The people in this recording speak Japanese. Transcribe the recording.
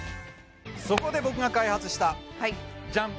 そこで僕が開発したじゃん